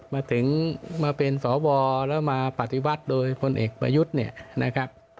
มาถึงมาเป็นสวแล้วมาปฏิวัติโดยพลเอกประยุทธ์เนี่ยนะครับ